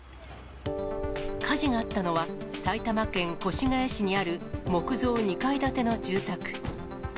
火事があったのは、埼玉県越谷市にある木造２階建ての住宅。